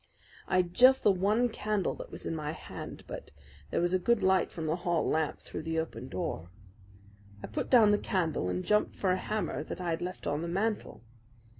"I'd just the one candle that was in my hand; but there was a good light from the hall lamp through the open door. I put down the candle and jumped for a hammer that I'd left on the mantel.